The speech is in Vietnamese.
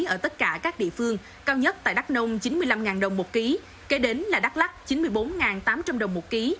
ở tất cả các địa phương cao nhất tại đắk nông chín mươi năm đồng một ký kế đến là đắk lắc chín mươi bốn tám trăm linh đồng một ký